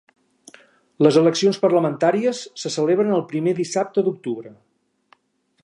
Les eleccions parlamentàries se celebren el primer dissabte d'octubre.